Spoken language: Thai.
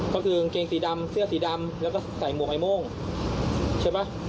ก็คือกางเกงสีดำเสื้อสีดำแล้วก็ใส่หมวกไอ้โม่งใช่ไหม